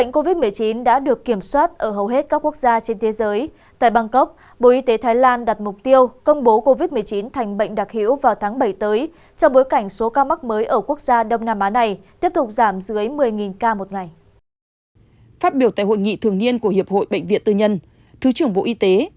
các bạn hãy đăng ký kênh để ủng hộ kênh của chúng mình nhé